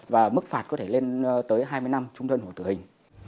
và mức phạt có thể lên tới hai mươi năm trung thân hồ tử hình